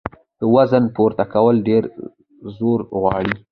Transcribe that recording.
د وزن پورته کول ډېر زور غواړي.